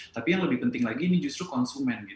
tapi yang lebih penting lagi ini justru konsumen